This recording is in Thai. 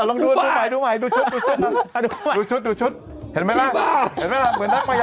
ต้องลองดูดูใหม่ดูชุดดูชุด